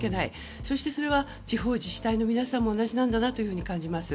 そして、それは地方自治体の皆さんも同じなんだなと感じます。